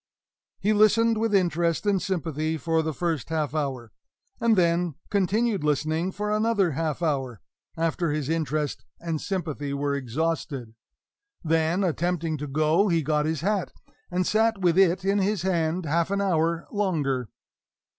He listened with interest and sympathy for the first half hour; and then continued listening for another half hour, after his interest and sympathy were exhausted. Then, attempting to go, he got his hat, and sat with it in his hand half an hour longer.